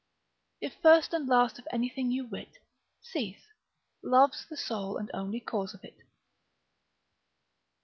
If first and last of anything you wit, Cease; love's the sole and only cause of it.